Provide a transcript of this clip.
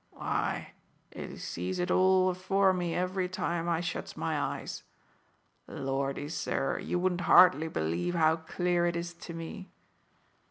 "Why, I sees it all afore me every time I shuts my eyes. Lordy, sir, you wouldn't hardly believe how clear it is to me.